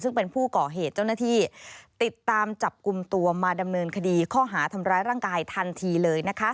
ซึ่งเป็นผู้ก่อเหตุเจ้าหน้าที่ติดตามจับกลุ่มตัวมาดำเนินคดีข้อหาทำร้ายร่างกายทันทีเลย